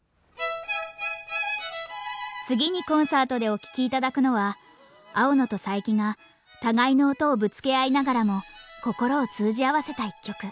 次にコンサートでお聴き頂くのは青野と佐伯が互いの音をぶつけ合いながらも心を通じ合わせた１曲。